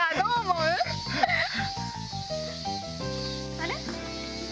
あれ？